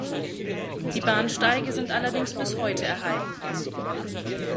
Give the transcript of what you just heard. Die Bahnsteige sind allerdings bis heute erhalten.